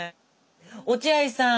落合さん